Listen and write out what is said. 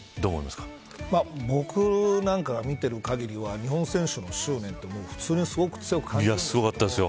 僕なんかが見てる限りは日本選手の執念って普通にすごく強く感じたんですよ。